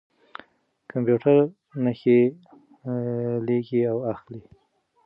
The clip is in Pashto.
کمپیوټر نښې لېږي او اخلي.